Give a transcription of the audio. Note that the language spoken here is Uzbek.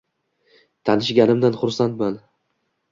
Tanishganimdan xursandman.